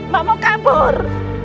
mbak mau kabur